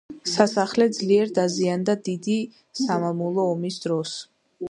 სასახლე ძლიერ დაზიანდა დიდი სამამულო ომის დროს.